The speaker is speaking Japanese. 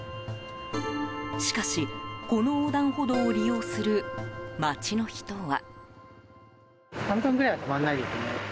しかし、この横断歩道を利用する街の人は。